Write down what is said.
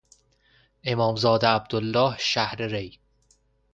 امامزاده عبدالله شهر ری